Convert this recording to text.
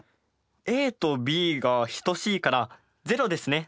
ＡとＢが等しいから０ですね。